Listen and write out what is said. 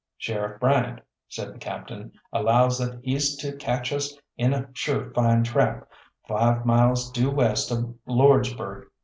"Sheriff Bryant," said the Captain, "allows that he's to catch us in a sure fine trap, five miles due west of Lordsburgh.